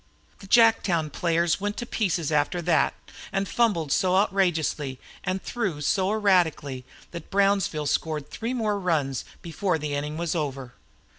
The Jacktown players went to pieces after that, and fumbled so outrageously and threw so erratically that Brownsville scored three more runs before the inning was over.